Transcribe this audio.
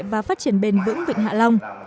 và phát triển bền vững vịnh hạ long